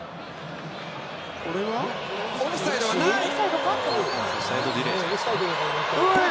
これはオフサイドはない。